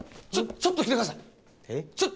ちょっと来てください！